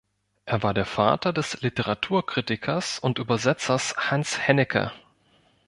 Er war der Vater des Literaturkritikers und Übersetzers Hans Hennecke.